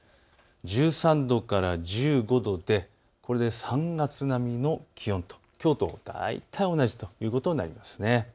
１３度から１５度で３月並みの気温ときょうと大体同じということになります。